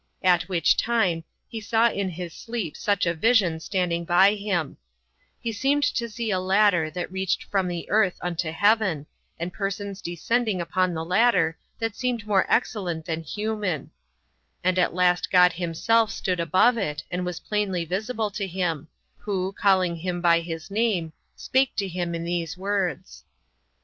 At which time he saw in his sleep such a vision standing by him:he seemed to see a ladder that reached from the earth unto heaven, and persons descending upon the ladder that seemed more excellent than human; and at last God himself stood above it, and was plainly visible to him, who, calling him by his name, spake to him in these words: 2.